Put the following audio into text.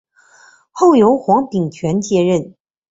后由黄秉权接任。